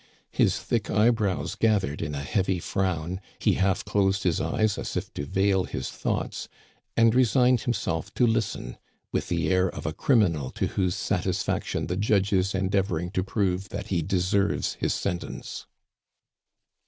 His thick eyebrows gathered in a heavy frown, he half closed his eyes as if to veil his thoughts, and resigned himself to listen with the air of a criminal to whose satisfaction the judge is endeavoring to prove that he deserves his sentence.